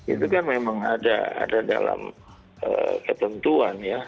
itu kan memang ada dalam ketentuan ya